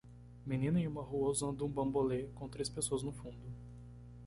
Menina em uma rua usando um bambolê? com três pessoas no fundo.